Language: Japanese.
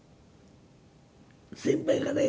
先輩がね